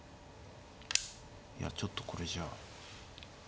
いやちょっとこれじゃあ。